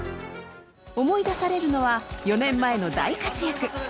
思い出されるのは４年前の大活躍。